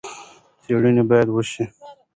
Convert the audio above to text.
څېړنې باید وشي.